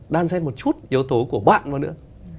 đan xét một chút yếu tố của bạn vào nữa